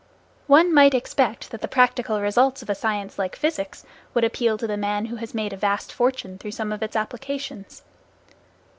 One might expect that the practical results of a science like physics would appeal to the man who has made a vast fortune through some of its applications.